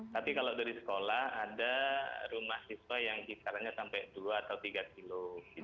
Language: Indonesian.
tapi kalau dari sekolah ada rumah siswa yang kisarannya sampai dua atau tiga kilo